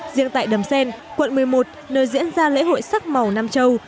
riêng tại đầm sen quận một mươi một nơi diễn ra lễ hội sắc màu nam châu